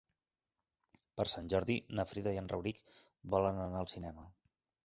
Per Sant Jordi na Frida i en Rauric volen anar al cinema.